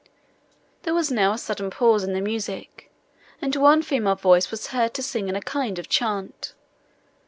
There was now a sudden pause in the music, and then one female voice was heard to sing in a kind of chant.